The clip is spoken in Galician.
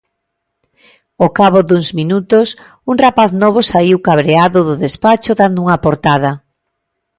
Ao cabo duns minutos, un rapaz novo saíu cabreado do despacho dando unha portada.